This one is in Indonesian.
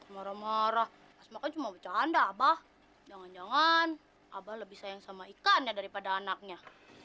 murah marah cuma bercanda abah jangan jangan abah lebih sayang sama ikannya daripada anaknya